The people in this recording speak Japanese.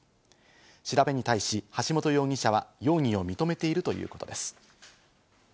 調べに対し、橋本容疑者は容疑を認めているということです。